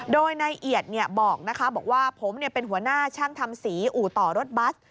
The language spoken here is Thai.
โดยนายเอียดบอกนะคะบอกว่าผมเป็นหัวหน้าช่างทำสีอู่ต่อรถบัส